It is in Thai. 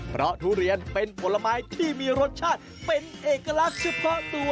เอกลักษณ์เฉพาะตัว